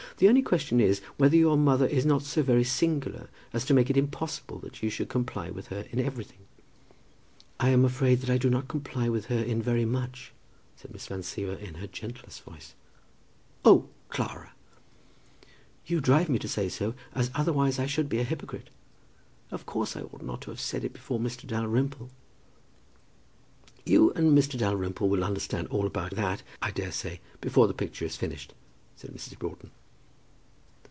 The only question is, whether your mother is not so very singular, as to make it impossible that you should comply with her in everything." "I am afraid that I do not comply with her in very much," said Miss Van Siever in her gentlest voice. "Oh, Clara!" "You drive me to say so, as otherwise I should be a hypocrite. Of course I ought not to have said it before Mr. Dalrymple." "You and Mr. Dalrymple will understand all about that, I daresay, before the picture is finished," said Mrs. Broughton.